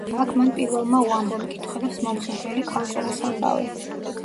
აქ მან პირველმა უამბო მკითხველებს მომხიბვლელი ქალწულის ამბავი.